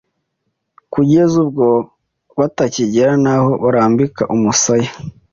kugeza ubwo batakigira n’aho barambika umusaya.